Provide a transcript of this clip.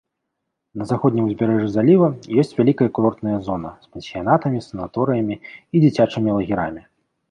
На заходнім узбярэжжы заліва ёсць вялікая курортная зона з пансіянатамі, санаторыямі і дзіцячымі лагерамі.